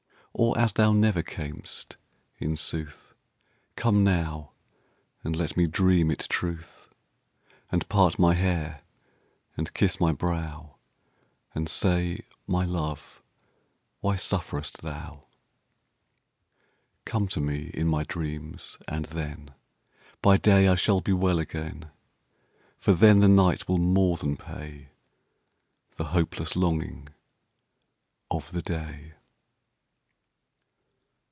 Or, as thou never cam'st in sooth, Come now, and let me dream it truth. And part my hair, and kiss my brow, And say—My love! why sufferest thou? Come to me in my dreams, and thenBy day I shall be well again. For then the night will more than payThe hopeless longing of the day.